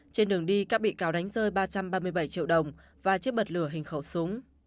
trên đường đi các bị cáo đánh rơi ba trăm ba mươi bảy triệu đồng và chiếc bật lửa hình khẩu súng